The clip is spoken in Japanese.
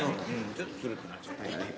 ちょっとツルッとなっちゃったね。